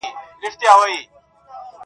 علوم خو یوازې دیني بحثونو ته وايي